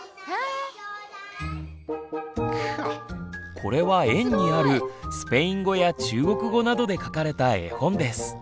これは園にあるスペイン語や中国語などで書かれた絵本です。